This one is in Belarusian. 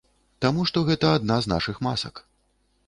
Таму што гэта адна з нашых масак.